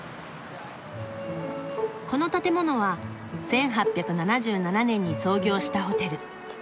「この建物は１８７７年に創業したホテル。